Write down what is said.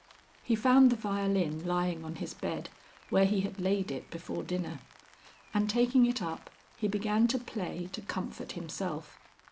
He found the violin lying on his bed where he had laid it before dinner. And taking it up he began to play to comfort himself.